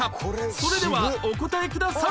それではお答えください